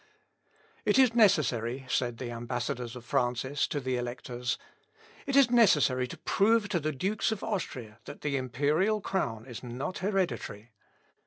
"It is necessary," said the ambassadors of Francis to the electors, "it is necessary to prove to the Dukes of Austria, that the imperial crown is not hereditary.